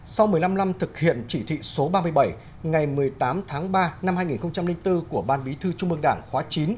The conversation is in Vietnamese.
sau một mươi năm năm thực hiện chỉ thị số ba mươi bảy ngày một mươi tám tháng ba năm hai nghìn bốn của ban bí thư trung mương đảng khóa chín